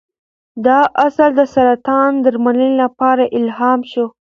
دا اصل د سرطان درملنې لپاره الهام شو.